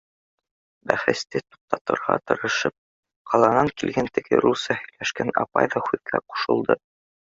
— Бәхәсте туҡтатырға тырышып, ҡаланан килгән теге русса һөйләшкән апай ҙа һүҙгә ҡушылды.